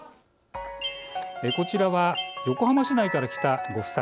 こちらは横浜市内から来たご夫妻。